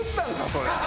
それ。